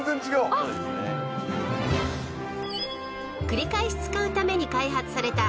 ［繰り返し使うために開発された］